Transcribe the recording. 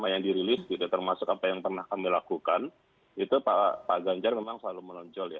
yang dirilis termasuk apa yang pernah kami lakukan itu pak ganjar memang selalu melonjol